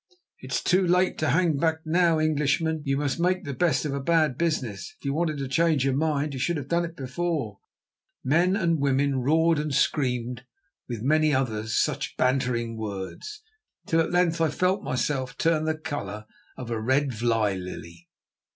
"It is too late to hang back now, Englishman." "You must make the best of a bad business." "If you wanted to change your mind, you should have done it before," men and women roared and screamed with many other such bantering words, till at length I felt myself turn the colour of a red vlei lily.